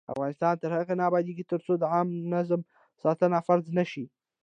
افغانستان تر هغو نه ابادیږي، ترڅو د عامه نظم ساتنه فرض نشي.